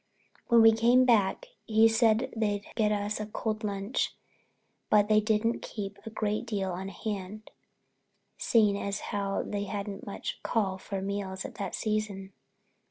When he came back he said they'd get us a cold lunch, but they didn't keep a great deal on hand, seeing as how they hadn't much call for meals at that season.